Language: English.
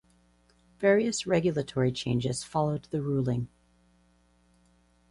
Various regulatory changes followed the ruling.